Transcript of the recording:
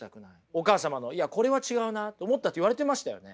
お母様の「いやこれは違うな」と思ったって言われてましたよね。